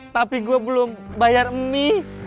tapi gua belum bayar emi